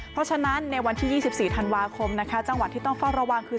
เพราะฉะนั้นในวันที่๒๔ธันวาคมนะคะจังหวัดที่ต้องเฝ้าระวังคือ